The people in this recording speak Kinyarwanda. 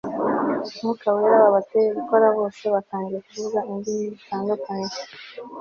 mwuka wera wabateye gukora Bose batangiye kuvuga indimi zitandukanye